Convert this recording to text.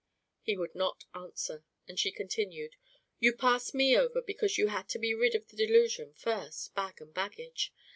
He would not answer, and she continued: "You passed me over because you had to be rid of the delusion first, bag and baggage.